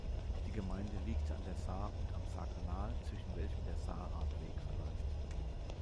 Die Gemeinde liegt an der Saar und am Saarkanal, zwischen welchen der "Saar-Radweg" verläuft.